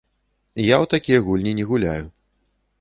Я ў такія гульні не гуляю.